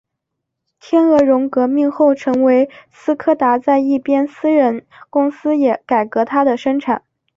天鹅绒革命后成为斯柯达在一边私人公司也改革它的生产。